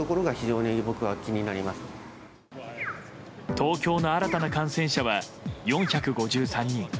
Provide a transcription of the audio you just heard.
東京の新たな感染者は４５３人。